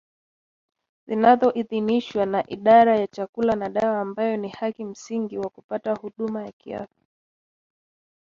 zinazoidhinishwa na Idara ya Chakula na Dawa ambayo ni haki msingi wa kupata huduma ya afya